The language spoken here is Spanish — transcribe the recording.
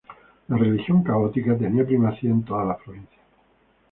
La religión católica tenía primacía en todas las provincias.